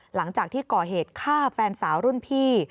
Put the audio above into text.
หลังจากที่ก่อเหตุฆ่าแฟนสาวรุ่นพี่